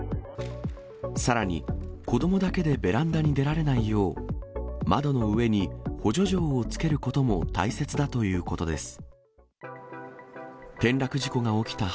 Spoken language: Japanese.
さらに、子どもだけでベランダに出られないよう、窓の上に補助錠をつけることも大切だということです。